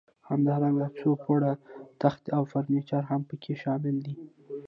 همدارنګه څو پوړه تختې او فرنیچر هم پکې شامل دي.